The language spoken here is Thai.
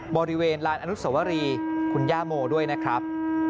บริเวณลานอนุสวรีคุณย่าโมด้วยนะครับ